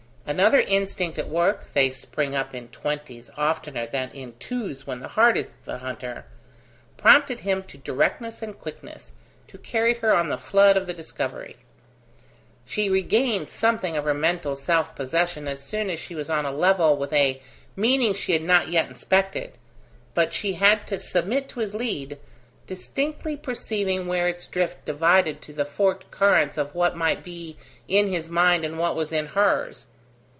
Another instinct at work (they spring up in twenties oftener than in twos when the heart is the hunter) prompted him to directness and quickness, to carry her on the flood of the discovery. She regained something of her mental self possession as soon as she was on a level with a meaning she had not yet inspected; but she had to submit to his lead, distinctly perceiving where its drift divided to the forked currents of what might be in his mind and what was in hers.